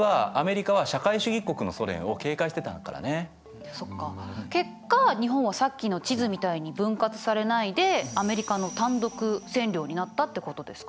そうだよね実はそっか結果日本はさっきの地図みたいに分割されないでアメリカの単独占領になったってことですか？